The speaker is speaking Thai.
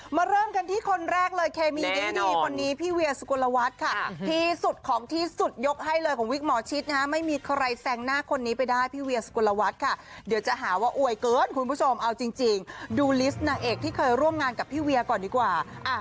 เริ่มกันที่คนแรกเลยเคมีดีคนนี้พี่เวียสุกลวัฒน์ค่ะที่สุดของที่สุดยกให้เลยของวิกหมอชิดนะฮะไม่มีใครแซงหน้าคนนี้ไปได้พี่เวียสุกลวัฒน์ค่ะเดี๋ยวจะหาว่าอวยเกินคุณผู้ชมเอาจริงดูลิสต์นางเอกที่เคยร่วมงานกับพี่เวียก่อนดีกว่า